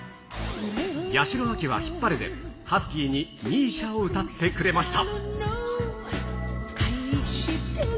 八代亜紀はヒッパレで、ハスキーにＭＩＳＩＡを歌ってくれました。